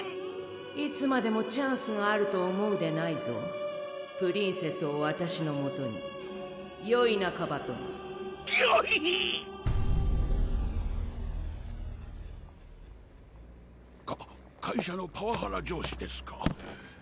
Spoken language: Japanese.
・いつまでもチャンスがあると思うでないぞ・・プリンセスをわたしのもとに・・よいなカバトン・御意！か会社のパワハラ上司ですか？